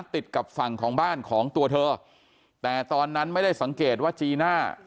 ติดกับฝั่งของบ้านของตัวเธอแต่ตอนนั้นไม่ได้สังเกตว่าจีน่า